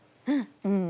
うん！